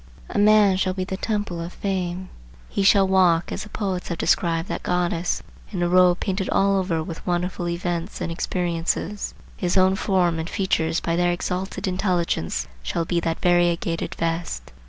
A man shall be the Temple of Fame. He shall walk, as the poets have described that goddess, in a robe painted all over with wonderful events and experiences;—his own form and features by their exalted intelligence shall be that variegated vest.